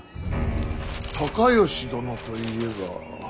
高能殿といえば。